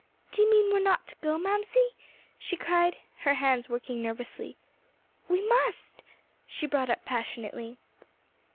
"Do you mean we are not to go, Mamsie?" she cried, her hands working nervously; "we must!" she brought up passionately.